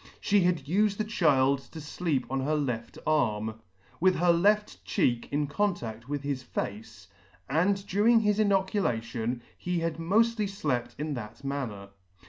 She had ufed the child to lleep on her left arm, with her left cheek in contaff with his face, and during his inoculation he had moftly llept in that manner.